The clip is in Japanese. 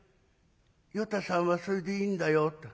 『与太さんはそれでいいんだよ。